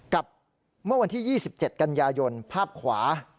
กับเมื่อวันที่๒๗กันยายนภาพขวา